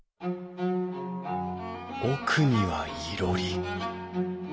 奥にはいろり。